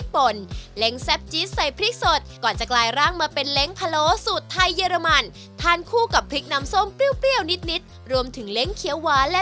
เพราะถ้าพริกสวนแท้